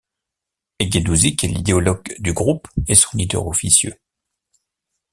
Hegedušić est l'idéologue du groupe et son leader officieux.